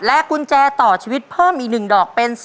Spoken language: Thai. กุญแจต่อชีวิตเพิ่มอีก๑ดอกเป็น